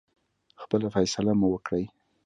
خپله فیصله مو وکړی.